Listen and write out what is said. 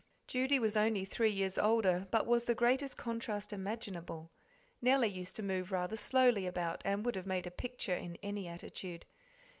Judy was only three years older, but was the greatest contrast imaginable. Nellie used to move rather slowly about, and would have made a picture in any attitude.